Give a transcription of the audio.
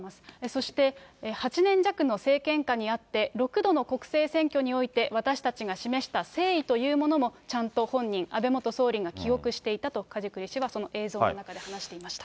そして、８年弱の政権下にあって、６度の国政選挙において、私たちが示した誠意というものも、ちゃんと本人、安倍元総理が記憶していたと梶栗氏はその映像の中で話していまし